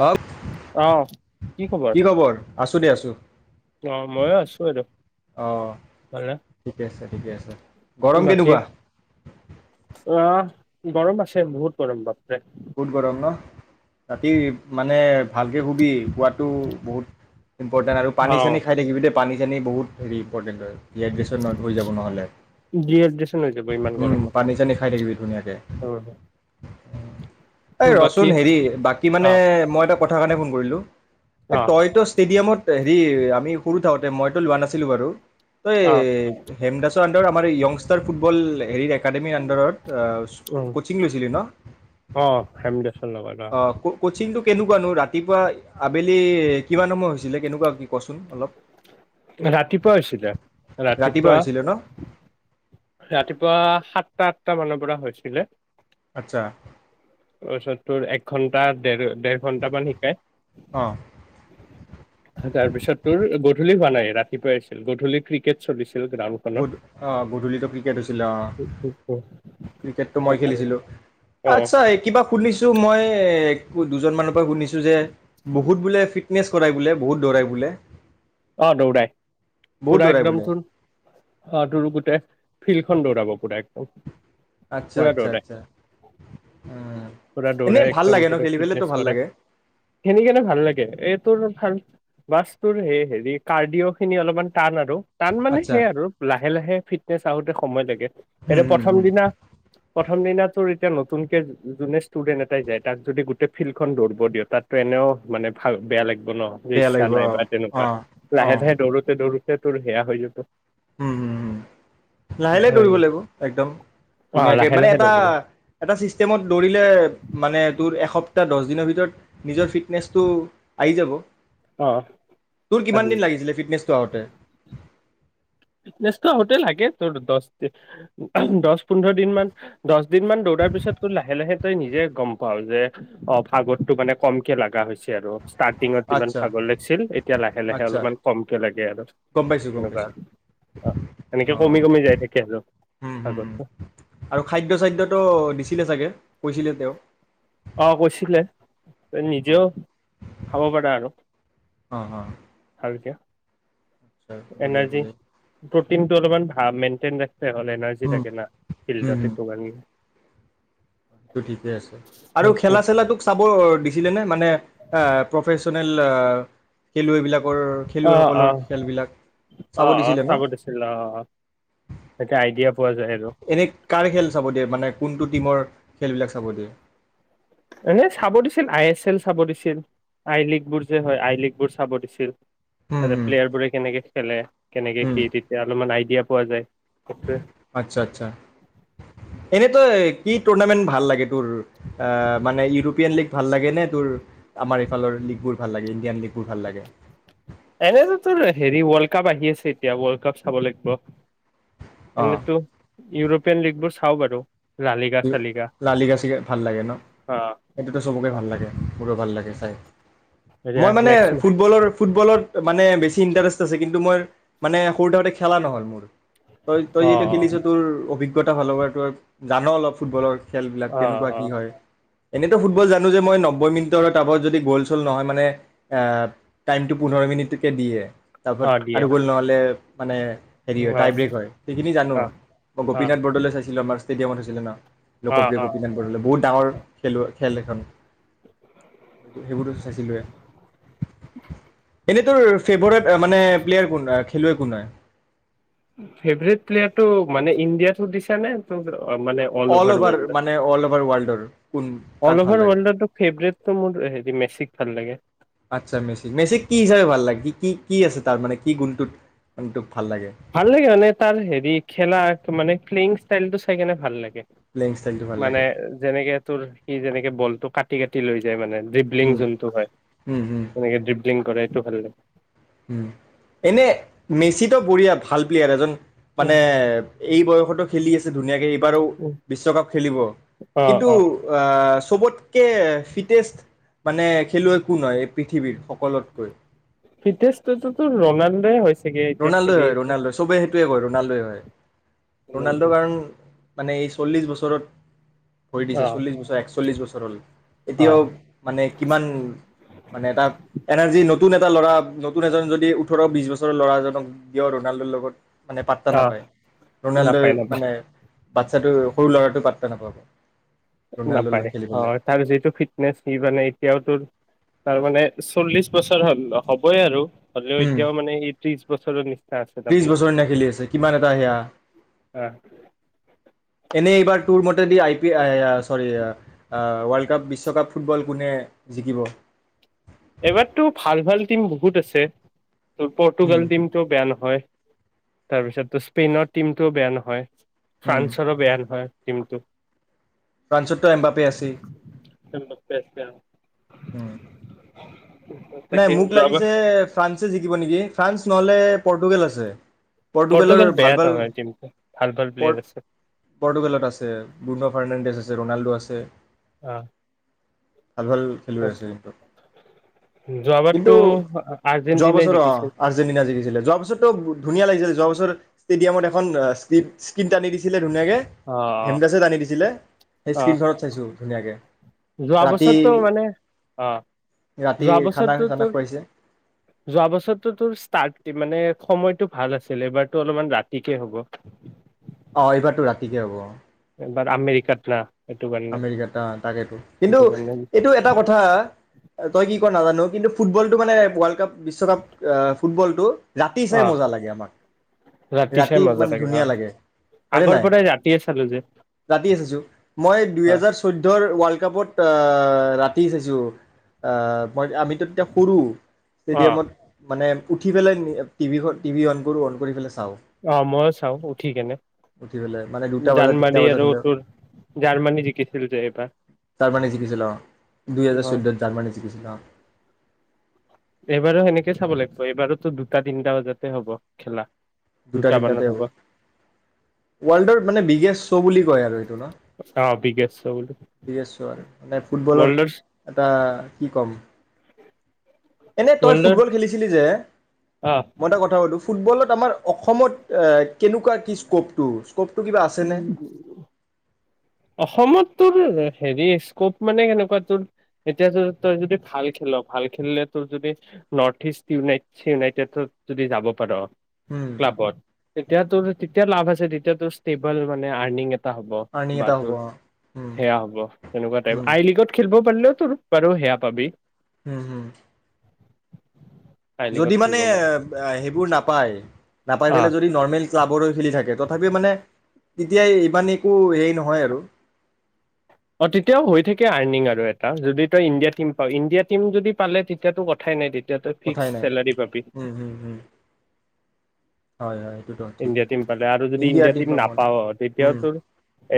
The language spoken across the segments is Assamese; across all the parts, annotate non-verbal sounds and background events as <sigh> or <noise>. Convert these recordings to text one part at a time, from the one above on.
হৱক অ', কি খবৰ। আচু শুনিয়ে আছো। অ, মইয়ো আছো আৰু অ' ভালে। ঠিকে আছে ঠিকে আছে। গৰম বাকি কেনেকুৱা? আহ্ গৰম আছে। বহুত গৰম। বাপৰে বহুত গৰম ন। ৰাতি মানে ভালকৈ শুবি। পোৱাটো বহুত ইম্পৰ্টেণ্ট আৰু অ', পানী-চানি খাই থাকিবি দে পানী-চানি বহুত হেৰি, ইম্পৰ্টেণ্ট হয়। ডিহাইড্ৰেচন নট হৈ যাব নহ'লে। ডিহাইড্ৰেচন হৈ যাব ইমান উম, গৰমত। পানী-চানি খাই থাকিবি ধুনীয়াকে। অ', এই তোৰ ৰ' বাকী চোন হেৰি, বাকী মানে অ', মই এটা কথাৰ কাৰণে ফোন কৰিলো। অ', তই টোচ ষ্টেডিয়ামত হেৰি আমি সৰু থাকতে মইতো লোৱা নাছিলো বাৰু ঐ অ', হেমদাসৰ আন্দাৰ আমাৰ য়ংষ্টাৰ ফুটবল হেৰি একাডেমীৰ আন্দাৰত কোচিং লৈছিলি ন অঁ হেমদাসৰ লগত ক কচিটো কেনেকুৱানো ৰাতিপুৱা আবেলি কিমান সময় হৈছিলে কেনেকুৱা কি কচোন অলপ ৰাতিপুৱা হৈছিলে ৰাতিপুৱা হৈছিলে ন ৰাতিপুৱা সাতটাত দুটা মানৰ পৰা হৈছিলে আচ্ছা তাৰপিছত তোৰ এক ঘন্টা দেৰ দেৰ ঘন্টামান শিকাই অঁ তাৰপিছত তোৰ গধূলি হোৱা নাই ৰাতিপুৱাই আছিল গধূলি ক্ৰিকেট চলিছিল গ্ৰাউণ্ডখনত। অ গধূলিতো ক্ৰিকেট হৈছিলে অ ক্ৰিকেটটো মই সেইকাৰণে। খেলিছিলো অ', আচ্ছা এই কিবা শুনিছো মই দুজন মানৰ শুনিছো যে বহুত বোলে ফিটনেছ ই বোলে বহুত দৌৰাই বোলে অ দৌৰাই বহুত পোৰা দৌৰাই একদম বোলে চোন অ তৰ গোটেই ফিল্ডখন দৌৰাব পুৰা একদম আচ্ছা পোৰা আচ্ছা দৌৰাই আচ্ছা উম পোৰা এনেই দৌৰাই ভাল একদম লাগে ন পোৰা খেলি পেলেতো ফিটনেচ ভাল কৰে লাগে খিনি কেনে ভাল লাগে এইটোোৰ ভাল বাস্তুৰ সেই হে হে কাৰ্ডিঅ খিনি অলপমান টান আৰু টান মানে আচ্ছা সেইয়াই আৰু লাহে লাহে ফিটনেচ আহোতে সময় লাগে হুম এয়া হুম প্ৰথম হুম দিনা প্ৰথম দিনাটো এতিয়া নতুনকে যোনে ষ্টুডেণ্ট এটাই যায় তাক যদি গোটেই ফিল্ডখন দৌব দিয় তাতো এনেও মানে ভাল বেয়া লাগে ন বেয়া ইচ্ছা লাগিব অ নাই বা অ তেনেকুৱা অ লাহে লাহে দৌৰোতে দৌৰোতে তোৰ সেয়া হৈ যাব উম হম হ লাহে লাহে দৌৰিব লাগিব একদম অ ধুনীয়াকে লাহে মানে লাহে এটা দৌৰ এটা চিষ্টেমত দৌৰিলে মানে তোৰ এসপ্তাহ দশ দুদিনৰ ভিতৰত নিজৰ ফিটনেছটো আহি যাব অ তোৰ আহি কিমান যাব দিন লাগিছিলে ফিটনেছটো আহোতে ফিটনেচোতে লাগে ত দ দহ পোন্ধৰ দিন মান দহ দিন ম দৌৰাৰ পিছত তোৰ লাহে লাহে তই নিজে গম পাও যে অ ভাগতটো মানে কমকে লগা হৈছে আৰু ষ্টাৰ্টিঙত যিমান আচ্ছা ভাগৰ লাগিছিল এতিয়া লাহে লাহে আচ্ছা অলপমান কমকে লাগে আৰু তেনেকুৱা অ হ হম ভাগৰটো আৰু খাদ্য চাদ্যটো দিছিলে চাগে কৈছিলে তেওঁ তে অঁ নিজেও খাব পাৰা আৰু আৰু অঁ অঁ ভালকে আচ্ছা এনাৰ্জি বুঢ়িয়া-বুঢ়িয়া প্ৰটিনটো অলপমান ভা মেইনটেইন। হ'ল এনাৰ্জি হুম লাগে না, ফিল্ডত এইটো কাৰণে টো ঠিকে আছে আৰু সেইটোৱে। খেলা চেলা তোক চাব দিছিলে নে মানে এ- পাৰ্চনেল এ খেলুৱে বিলাক। অ-অ-অ-অ দিছিলে ন চাব দিছিল। অ-অ তাকে আইডিয়া। পোৱা যায় আৰু এনে কাৰ খেল চাব দিয় মানে কোনটো টিমৰ খেলবিলাক চাব দিয়ে। এনে চাব দিছিল। আই এছ এল চাব দিছিল। আই লীগ বোৰ যে হয়। আই লীগ বোৰ চাব দিছিল। হুম তাতে হুম প্লেয়াৰ বোৰে কেনেকে খেলে, কেনেকে কি তেতিয়া অলপমান আইডিয়া পোৱা যায়। সেইটোৱে আচ্ছা-আচ্ছা এনে। আই কি টুৰ্ণামেন্ট ভাল লাগে তোৰ? আহ মানে ইউৰোপীয়ান লীগ ভাল লাগে নে, তোৰ আমাৰ ইফালৰ লীগবোৰ ভাল লাগে ইণ্ডিয়ান লীগবোৰ ভাল লাগে? এনেতো তোৰ হেৰি ৱৰ্ল্ড কাপ আহি আছে। এতিয়া ৱৰ্ল্ড কাপ চাব লাগিব। অ এনে তো ইউৰোপিয়ান লীগ বোৰ চা খাওঁ বাৰু। লালিগা চালিগা লালি গাচি ভাল লাগে ন অ সেইটোতো চবকে অ ভাল লাগে মোৰো ভাল লাগে চাই এতিয়া মই মানে নেক্স ফুটবলৰ ফুটবলত মানে বেছি ইণ্টাৰেষ্ট আছে কিন্তু মই মানে সৰু থাকোতে খেলা নহ'ল মোৰ। তই-তই অ যিহেতু খেলিছ তোৰ অভিজ্ঞ। কইতা ভাল পায় জান অলপ ফুটবলৰ। খেলবিলাক অ কেনেকুৱা অ কি হয়। এনেইতো ফুটবল জানো যে মই নব্বৈ মিনিটৰ টাবত যদি গ'ল চ'ল নহয় মানে টাইমটো পোন্ধৰ মিনিটকে দিয়ে। তপত অ দিয়ে আৰু গুল নহ'লে মানে অ হেৰি হয় টাই ব্ৰেক হয়। সেইখিনি জানো অ মই অ গোপীনাথ বৰদলৈ চাইছিলো আমাৰ ষ্টেডিয়ামত আছিলে ন। অ লোকপ্ৰিয় অ গোপীনাথ বৰদলৈ। বহুত ডাঙৰ খেলুৱৈ খেল এখন সেইবোৰতো চাইছিলে এনেই তোৰ ফেভৰেট মানে প্লেয়াৰ কোন খেলুৱৈ কোন হয়? ফেবেৰেত প্লেয়াৰটো মানে ইণ্ডিয়াতো ধিছা নে ত অল অভাৰ মান অল অভাৰ ৱল্ডৰ কোন অল কাক ভাল অভাৰ লাগে? ৱৰ্ল্ডতো ফেভৰেটটো মোৰ হেৰি মেচিক ভাল লাগে। আচ্ছা মেচিক-মেচিক কি হিচাপে ভাল লাগ সি কি? কি আছে তাৰ মানে কি গুণটোত গুণটোক? ভাল লাগে মানে তাৰ হেৰি খেলা মানে, প্লেইং ষ্টাইলটো চাইকেনে ভাল লাগে। প্লেয়িং ষ্টাইলটো ভাল মানে লাগে যেনেকে তোৰ সি যেনেকে বলটো কাট কাটি-কাটি লৈ যায় মানে। ড্ৰিবলিং উম যোনটো হয়, উম উম সেনেকে ড্ৰি ড্ৰিংক কৰে এইটো ভাল লাগে। উম এনে মেচিতো বঢ়িয়া ভাল প্লেয়াৰ এজন লাগে। মানে, এই বয়সতো খেলি আছে ধুনীয়াকে, এইবাৰো বিশ্বকাপ খেলিব, অ' কিন্তু অ' আ, চবতকে ফিটেষ্ট মানে খেলুৱৈ কোন হয় এই পৃথিৱীৰ সকলোতকৈ। ফিটনেছটো ৰনাল্ডয়ে হৈছ ৰণাল্ডোই হয় ৰণাল্ডো চবেই সেইটোৱে কয় ৰণাল্ডোয়ে হয় ৰণাল্ডো কাৰণ মানে এই চল্লিছ বছৰত ভৰি দিছে অ' চল্লিছ বছৰ একচল্লিছ বছৰ হ'ল, অ' এতিয়াও মানে কিমান মানে এটা এনাৰ্জি নতুন এটা ল'ৰা নতুন এজন যদি ওঠৰ বিশ বছৰৰ ল'ৰা <inaudible> কিয় ৰণাল্ড লগত মানে পাত্তা অ' নাপায়, ৰনাল্ডোই নাপায় নাপায় মানে বাচ্ছাটো সৰু ল'ৰাটো পাতা <unintelligible> নাপায়, হয় তাৰ যিটো ফিটনেচ সি মানে এতিয়াও তোৰ তাৰ মানে চল্লিশ বছৰ হল হ'বই আৰু। হলেও উম এতিয়াও মানে সি ত্ৰিশ বছৰৰ নিচিনা আছে ত্ৰিশ বছৰ নিচিনা খেলি আছে কিমান এটা সেয়া তাৰমানে। এনে এইবাৰ তোৰ মতেদি আই পি চৰি আ, ৱৰ্ল্ড কাপ বিশ্বকাপ ফুটবল কোনে জিকিব। এইবাৰতো ভাল-ভাল টিম বহুত আছে। তোৰ উম। পৰ্তুগাল টিমটোও বেয়া নহয়। তাৰপিছতো স্পেইনৰ টিমটোও বেয়া নহয়। উম, ফ্ৰান্সৰো বেয়া নহয়। টীমটো ফ্ৰান্সতটো এমবাপে আছে, উম। নাই তাকে মোক যোৱাবাৰ লাগিছে ফ্ৰান্সে জিকিব নেকি। ফ্ৰান্স নহ'লে পৰ্টুগেল আছে। পৰ্টুগালৰ পৰ্তুগাল বেয়া ভাল-ভাল, নহয় টিমটো। ভাল ভাল প্লেয়াৰ আছে পৰ্-পৰ্টুগালত আছে। বুৰ্ন ফাৰ্ণাণ্ডেছ আছে ৰনাল্ডো আছে। তে <unintelligible> ভাল-ভাল খেলুৱৈ আছে সেইটো কিন্তু যোৱাবাৰতো যোৱা আৰ্জেন্টিনাই বছৰ অ', জিকিছিল। আৰ্জেণ্টিনা জিকিছিলে যোৱা বছৰটো ধুনীয়া লাগিছিলে যোৱা বছৰ। ষ্টেডিয়ামত এখন স্কিড-স্কিন টানি দিছিলে। ধুনিয়াকে, অ অ <unintelligible> দিছিলে সেই অ স্ক্ৰীণখনত চাইছো ধুনীয়াকে যোৱা ৰাতি, বছৰটো মানে অ ৰা যোৱা বছৰটো তোৰ যোৱা বছৰটো তোৰ ষ্টাৰ্ট মানে। সময়তটো ভাল আছিল এইবাৰতো অলপমান ৰাতিকে হ'ব। অ এইবাৰতো ৰাতিকে হ'ব এবাৰ আমেৰিকাত না সেইটো কাৰণে আমেৰিকাত তাকেইেতো কিন্তু সেইটো কাৰণে এইটো এটা কথা তই কি ক নাজানো। কিন্তু ফুটবলটো মানে ৱৰ্ল্ড কাপ বিশ্বকাপ আ ফুটবলটো ৰাতি অ চাই মজা লাগে আমাক চাই ৰাতি মজা মানে অ ধুনীয়া লাগে হয়নে আগৰ নাই পৰাই ৰাতিয়ে চালো যে ৰাতি চাইছো মই অ দুইহেজাৰ চৈধ্যৰ ৱাৰ্ল্ড কাপত ৰাতি কি ছাইছো আ মই আমিতো তেতিয়া সৰু অ ষ্টেডিয়ামত মানে উঠি পেলাই টিভি টিভি অন কৰোঁ অন কৰি ছাও আহ মইো চাও উঠি কেনে উঠি পেলাই মানে দুটা বজাত তিনিটা জাৰ্মানী বজাত আৰু হ'লেও তোৰ জাৰ্মানী জিকিছিল যে এইবাৰ জাৰ্মানী আহ। অহ এইবাৰো সেনেকে চাব লাগিব এইবাৰোতো দুটা তিনটা বজাতে হব খেলা। দুটা তিনিটাতে হ'ব ৱৰ্ল্ডৰ মানে বিগেষ্ট শ্ব' বুলি কয় আৰু এইটো ন অ বিগেষ্ট শ্ব' বুলি বিগেষ্ট শ্ব' আৰু মানে ফুটবলৰ ৱৰ্ল্ডৰ এটা কি ক'ম উ এনে তই ফুটবল খেলিছিলি যে মই এটা কথা শোধো ফুটবলত আমাৰ অসমত কেনেকুৱা কি স্ক'পটো স্কপটো কিবা আছেনে? অসমত তোৰ হেৰি স্কপ মানে কেনেকুৱা তোৰ এতিয়া তই যদি ভাল খেল ভাল খেলিলে তোৰ যদি নৰ্থ ইষ্ট ইউনাইট ইউনাইটেডত যদি যাব পাৰ উম ক্লাবত তেতিয়াতোৰ তেতিয়া লাভ আছে তেতিয়াতোচ টেবল মানে আৰ্নিং। হ'ব আৰ্নিং বা এটা হ'ব তোৰ অ উম সেয়া হ'ব তেনেকুৱা টাইপ উম আই লিগত খেলিব বলো তোৰ বাৰু হেয়াপাবি হয় হম আই লিগত যদি মানে খেলিব পাৰি সেইবোৰ নাপায় নাপাই অ পেলাই যদি নৰ্মেল ক্লাবৰ খেলি থাকে তথাপিও মানে তেতিয়া ইমান একো হেৰি নহয় আৰু অ তেতিয়াও হৈ থাকে আৰ্নিং আৰু এটা যদি তই ইণ্ডিয়া টিম পাৱ ইণ্ডিয়া টিম যদি পালে তেতিয়াতো কথাই নাই তেতিয়া এতিয়া তই কথাই ফিক্সড নাই চেলাৰী পাবি। উম হম হম হয় হয় এইটোতো ঠিক ইণ্ডিয়া টিম পালে আৰু যদি ইণ্ডিয়া টিম নাপা তেতিয়াও উম তোৰ।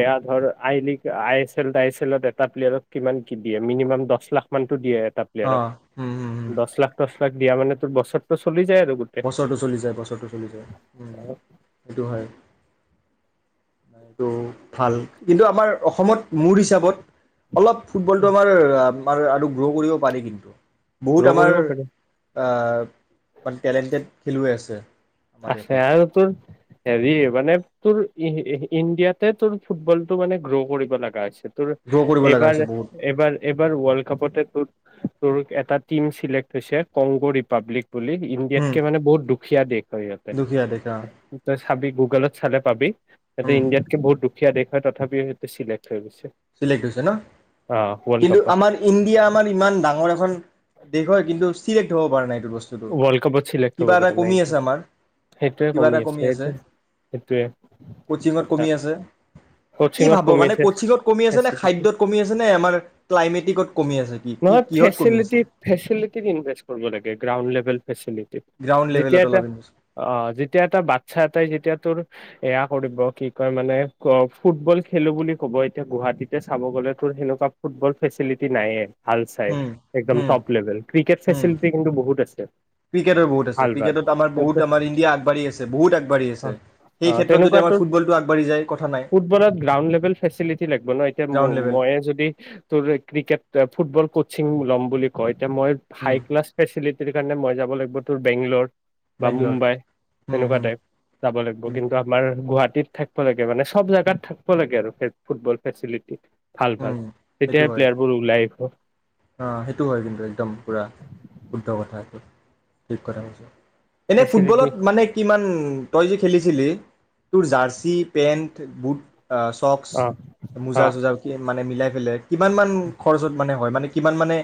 এয়া ধৰ I League I S L I S এলত এটা প্লেয়াৰক কিমান কি দিয়ে মিনিমাম দহ লাখ মানতো দিয়ে। অ এটাপিলেৰক উম হম হম দশ লাখ টো তাক দিয়া মানে তোৰ বছৰটো চলিছে বছৰটো চলি যায় বছৰটো চলি যায় সেইটো হয় এইটো ভাল কিন্তু আমাৰ অসমত মোৰ হিচাপত অলপ ফুটবলটো আমাৰ আমাৰ আৰু গ্ৰ' কৰিব পাৰি কিন্তু ন কৰিব পাৰে প অ আছে আৰু তোৰ হেৰি মানে তোৰ ই ইণ্ডিয়াতে তোৰ ফুটবল টো মানে গ্ৰ' কৰিব লগা হৈছিল তোৰ গ্ৰ' কৰিব লগা হৈছে এইবাৰ বহুত এইবাৰ এইবাৰ ৱৰ্ল্ড কাপতে তোৰ তোৰ এটা টিম চিলেক্ট হৈছে কংগো ৰিপাব্লিক বুলি উম, ইণ্ডিয়াতকে মানে বহুত দুখীয়া দেশ হয় সিহঁতে দুখীয়া দেখা তই চাবি গুগলত চালে পাবি এতিয়া ইণ্ডিয়াত কে বহুত দুখ সুকীয়া দেশ হয় তথাপিও সহজতে চিলেক্ট হৈ গৈছে। চিলেক্ট হৈছে ন অ ৱৰ্ল্ড কিন্তু কাপত আমাৰ ইণ্ডিয়া আমাৰ ইমান ডাঙৰ এখন দেশ হয় কিন্তু চিলেক্ট হ'ব পাৰা নাই এইটো বস্তুটো ৱৰ্ল্ড কাপত চিলেক্ট হ'ব কিবা এটা পৰা নাই। কমি আছে আমাৰ সেইটোৱে কমি আছে সেইটোৱে, কোচিঙত সেইটোৱে কমি আছে কি ভাব কচিঙত কমি মানে আছে। কচিঙত কমি খাদ্যত কমি আছে ন আমাৰ ক্লাইমেটিকত কমি আছে নহয় কিহত কমি ফেচিলিটি আছে ফেচিলিটিত ইনভেষ্ট কৰিব লাগে গ্ৰাউণ্ড লেভেল ি গ্ৰাউণ্ড যেতিয়া লেভেলত এটা অলপ অ যেতিয়া এটা বাচ্ছা এটাই যেতিয়া তোৰ এয়া কৰিব কি কয় মানে ফুটবল খেলো বুলি ক'ব এতিয়া গুৱাহাটীতে চাব গ'লেতোৰ সেনেকুৱা ফুটবল ফেচিলিটি নাইে ভাল চাই হুম একদম হুম টপ লেভেল ক্ৰিকেট হুম ফেচিলিটি কিন্তু বহুত ক্ৰিকেটৰ বহুত আছে ক্ৰিকেটত আমাৰ বহুত আমাৰ ইণ্ডিয়া আগবাঢ়ি আছে বহুত আগবাঢ়ি আছে সেই ক্ষেত্ৰত যদি আমাৰ ফুটবলটো এ আগবাঢ়ি যায় কথা নাই গ্ৰাউণ্ড লেভেল ম কচিং ল'ম বুলি কয় এতিয়া মই হাইক্লাছ ফেচিলিটি সেইটো কাৰণে মই যাব লাগিব তোৰ বেংগলৰ বা বেংগলৰ মুম্বাই তেনেকুৱা টাইপ যাব লাগিব কিন্তু আমাৰ গুৱাহাটী থাক লাগে মানে সব জাগাত থাকিব লাগে আৰু ফুটবল ফেচিলিটি ভাল ভাল সেইটো তেতিয়াহে হয় প্লেয়াৰ বোৰ ওলাই আহিব অ সেইটো হয় কিন্তু একদম পুৰা শুদ্ধ কথা, এইটো ঠিক কথা কৈ কৈছ। এনে ফেচিলিটি ফুটবলত মানে কিমান তই যে খেলিছিলি তোৰ জাৰৰ্চি, পেণ্ট, বুট অ চক্চ অ মোজা অ চুজাও মানে মিলাই পেলাই ইমান মান খৰচত মানে হয় মানে <unintelligible> কিমান মানে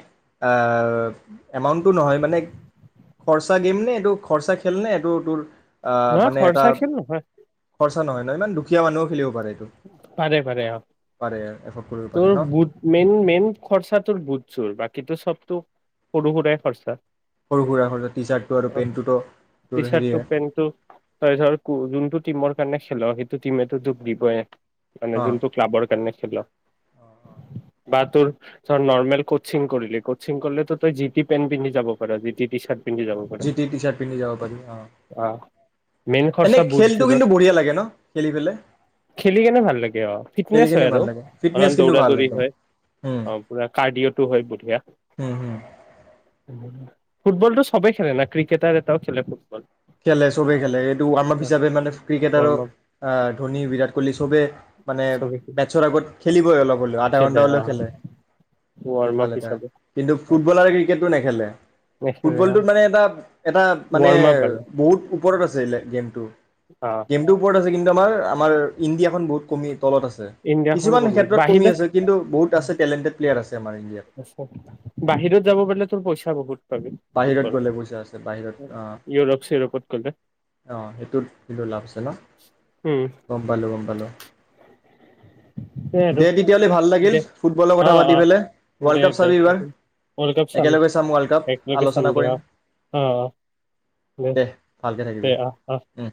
এমাউণ্টটো নহয় মানে, খৰচা গেম নে এইটো খৰচা খেলনে এইটো তোৰ আহ নহয় মানে এটা খৰচা খেল নহয় খৰচ নহয় ন ইমান দুখীয়া মানুহ খেলিব পাৰে এইটো পাৰে, পাৰে, আহ। পাৰে এফৰ্ড কৰিব পাৰে তোৰ ন বুট, মেইন মেইন খৰচা তোৰ বুধ জোৰ বাকী চবতটো সৰু সুৰাই খৰচা সৰু সুৰা খৰচা টি চাৰ্টটো আৰু অ পেণ্টটোতো টি তোৰ হেৰিয়ে চাৰ্টটো পেন্টটো <unintelligible> যোনটো টিমৰ কাৰণে খেলৰ সেইটো টিমেটো তোক দিবইে অ'। যোনতটো ক্লাবৰ কাৰণে খেল বা তোৰ ধৰ নৰ্মেল কচিং কৰিলি কচিং কৰিলে তো তই জি টি পেণ্ট পিন্ধি যাব পাৰা জি টি টি চাৰ্ট পিন্ধি যাব পাৰ যিটি টি চাৰ্ট পিন্ধি যাব পাৰি। অ, মেইন এনে খৰচা খেলটো বুটযোৰৰ কিন্তু বঢ়িয়া লাগে ন? খেলি পেলাই খেলি কেনে ভাল লাগে অ, খেলি ফিটনেছ কিনে হয় ভাল আৰু লাগে ফিটনেছ অলমান কিন্তু দৌৰা ভাল দৌৰি একদম হয়। উম অ পুৰা কাৰ্ডিঅ'টো হয় বঢ়িয়া। উম হম ফুটবলটো সবেই খেলে ন ক্ৰিকেট আৰু এটাও খেলে ফুটবল। খেলে চবে খেলে, এইটো আমাক হিচাপে মানে ক্ৰিকেটাৰো ৱৰ্ম আপ আহ ধোনী বিৰাট সবে মানে, চবে মেটচৰ আগত খেলিব <inaudible> আধা ঘণ্টা হ'লেও খেলে, ৱৰ্ম ভাল আপ এটা হিচাপে কিন্তু ফুটবলাৰে ক্ৰিকেটটো নেখেলে। নেখেলে অ ফুটবলটোত মানে এটা এটা মানে ৱৰ্ম আপ আৰু ওপৰত আছে লে-গেমটো অ গেমটো ওপৰত আছে কিন্তু আমাৰ ইণ্ডিয়াখন বহুত কমি তলত আছে। ইণ্ডিয়াখনন কিছুমান কমে ক্ষেত্ৰত বাহিৰ কমি আছে কিন্তু বহুত আছে টেলেণ্টেড প্লেয়াৰ আছে আমাৰ ইণ্ডিয়াত। বাহিৰত যাব পাৰিলে তোৰ পইচা বহুত। পাবি বাহিৰত ফুটবলত গ'লে পইচা আছে বাহিৰত অ', ইউৰোপ চিউৰোপত গ'লে অ', সেইটোত কিন্তু লাভ আছে ন? উম গম পালোঁ গম পালোঁ। দে তেতিয়াহ'লে ভাল লাগিল, দে ফুটবলৰ কথা অ পাতি অ পেলাই ৱৰ্ল্ড দে কাপ দে চাবি এইবাৰ। একেলগে চাম ৱৰ্ল্ড কাপ। আলোচনা চানডে কৰিম অ, অ, অ, দে, ভালকে দে, থাকিবি অ, অ। উম।